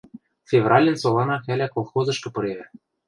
Февральын солана хӓлӓ колхозышкы пыревӹ.